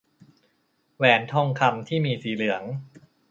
แหวนทองคำที่มีสีเหลือง